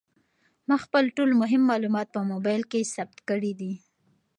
ما خپل ټول مهم معلومات په موبایل کې ثبت کړي دي.